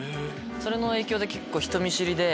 それの影響で結構人見知りで。